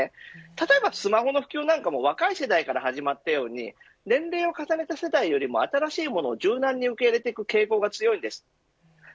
例えばスマホの普及も若い世代から始まったように年齢を重ねた世代よりも新しいものを柔軟に受け入れていく傾向が強いです。